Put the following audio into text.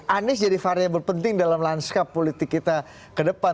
anies jadi variable penting dalam lanskap politik kita kedepan